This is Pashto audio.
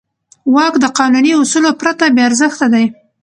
واک د قانوني اصولو پرته بېارزښته دی.